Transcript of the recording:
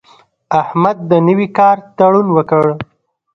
احمد د نوي کار تړون وکړ.